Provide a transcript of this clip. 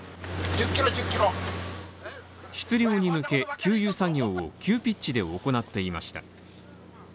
出漁に向け、給油作業を急ピッチで行っていました。